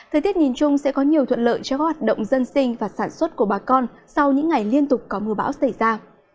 thời tiết nhìn chung sẽ có nhiều thuận lợi cho các hoạt động dân sinh và sản xuất của bà con sau những ngày liên tục có mưa bão xảy ra